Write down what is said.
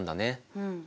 うん。